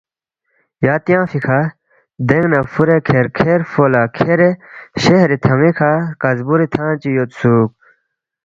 یا تیانگفی کھہ دینگ نہ فُورے کھیر کھیر پو لہ کھیرے شہری تھن٘ی کھہ کزبُور تھنگ چی یودسُوک